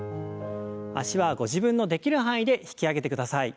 脚はご自分のできる範囲で引き上げてください。